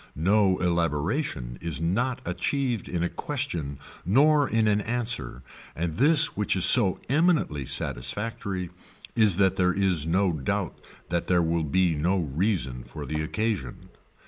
No elaboration is not achieved in a question nor in an answer and this which is so eminently satisfactory is that there is no doubt that there will be no reason for the occasion.